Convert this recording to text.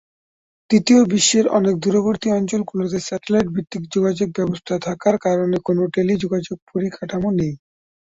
তৃতীয় বিশ্বের অনেক দূরবর্তী অঞ্চলগুলোতে স্যাটেলাইট ভিত্তিক যোগাযোগ ব্যবস্থা থাকার কারণে কোন টেলিযোগাযোগ পরিকাঠামো নেই।